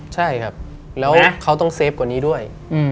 ใช่ครับแล้วเขาต้องเซฟกว่านี้ด้วย